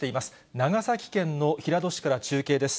長崎県の平戸市から中継です。